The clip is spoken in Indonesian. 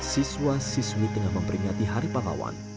siswa siswi tengah memperingati hari pahlawan